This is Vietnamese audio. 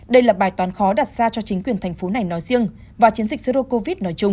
đây là bài toán khó đặt ra cho chính quyền thành phố này nói riêng và chiến dịch sơ viết nói chung